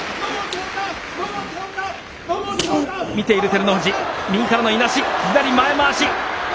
見ている照ノ富士、右からのいなし、左前まわし。